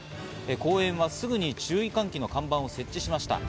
公園はすぐに注意喚起の看板を設置しました。